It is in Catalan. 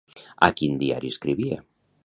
A quin diari escrivia?